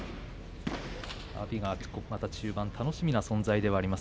阿炎がまた中盤楽しみな存在であります。